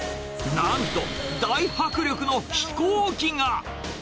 なんと、大迫力の飛行機が。